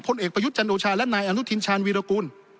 เอกประยุทธ์จันโอชาและนายอนุทินชาญวีรกูล